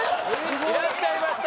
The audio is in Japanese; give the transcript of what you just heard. いらっしゃいました。